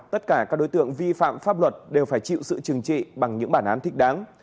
tất cả các đối tượng vi phạm pháp luật đều phải chịu sự trừng trị bằng những bản án thích đáng